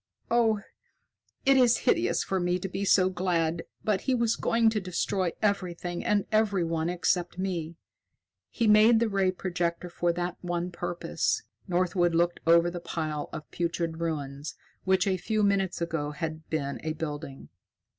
"Oh, it is hideous for me to be so glad, but he was going to destroy everything and everyone except me. He made the ray projector for that one purpose." Northwood looked over the pile of putrid ruins which a few minutes ago had been a building.